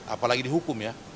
apalagi dihukum ya